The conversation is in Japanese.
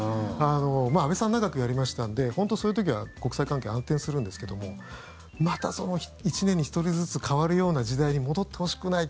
安倍さんは長くやりましたので本当にそういう時は国際関係、安定するんですけどもまたその１年に１人ずつ代わるような時代に戻ってほしくない。